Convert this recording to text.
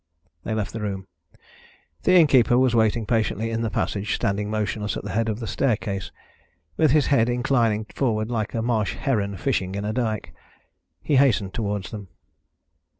They left the room. The innkeeper was waiting patiently in the passage, standing motionless at the head of the staircase, with his head inclining forward, like a marsh heron fishing in a dyke. He hastened towards them.